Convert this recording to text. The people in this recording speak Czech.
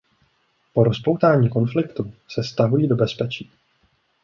Po rozpoutání konfliktu se stahují do bezpečí.